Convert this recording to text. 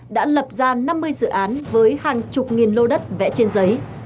đã lập ra năm mươi dự án với hàng chục nghìn lô đất vẽ trên giấy